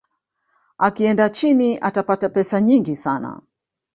akienda china atapata pesa nyingi sana